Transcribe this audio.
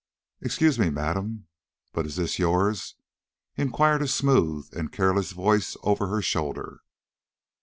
"Excuse me, madam, but is this yours?" inquired a smooth and careless voice over her shoulder.